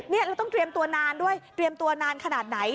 นี่เราต้องเตรียมตัวนานด้วยเตรียมตัวนานขนาดไหน